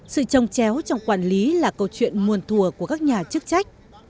sự trông chéo trong quản lý là câu chuyện muồn thùa của các nhà chức trách